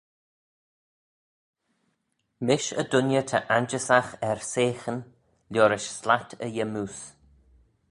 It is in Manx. Mish y dooinney ta ainjyssagh er seaghyn liorish slat e yymmoose.